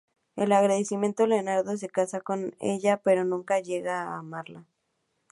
En agradecimiento Leonardo se casa con ella pero nunca llega a amarla.